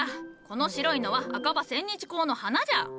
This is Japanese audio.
この白いのは赤葉千日紅の花じゃ。